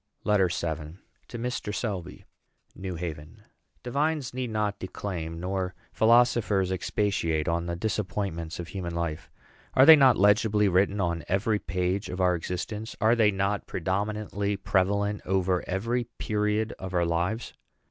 LETTER VII. TO MR. SELBY. NEW HAVEN. Divines need not declaim, nor philosophers expatiate, on the disappointments of human life. Are they not legibly written on every page of our existence? Are they not predominantly prevalent over every period of our lives?